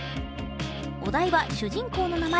お題は主人公の名前